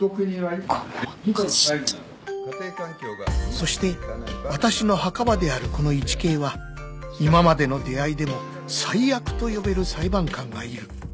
［そして私の墓場であるこのイチケイは今までの出会いでも最悪と呼べる裁判官がいる］